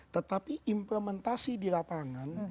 tetapi implementasi di lapangan